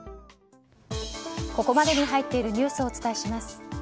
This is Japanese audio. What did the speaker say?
ここまでに入っているニュースをお伝えします。